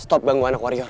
stop ganggu anak warior